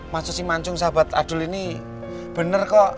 maksud si mancung sahabat adul ini bener kok